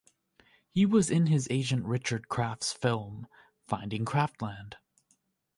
He was in his agent Richard Kraft's film "Finding Kraftland".